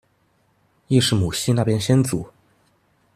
亦是母系那邊先祖